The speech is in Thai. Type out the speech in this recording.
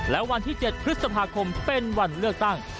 และวันที่๗พฤษภาคมเป็นวันเลือกตั้ง